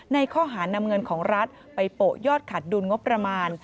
ในข้อหานำเงินของรัฐไปโปะยอดขาดดุลงบประมาณ